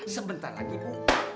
sebentar lagi bu